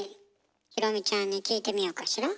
裕美ちゃんに聞いてみようかしら。